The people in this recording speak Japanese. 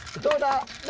どうだ？